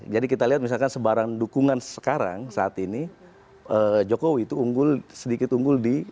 jadi kita lihat misalkan sebarang dukungan sekarang saat ini jokowi itu sedikit unggul di lebak